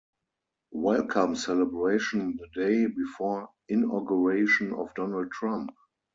Welcome Celebration the day before Inauguration of Donald Trump.